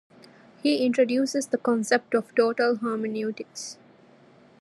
He introduces the concept of 'total hermeneutics'.